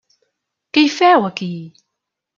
Què hi feu aquí?